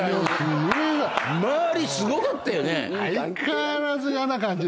周りすごかったよね。